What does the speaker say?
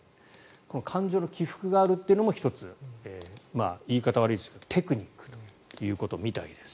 この感情の起伏があるというのも１つ、テクニックということみたいです。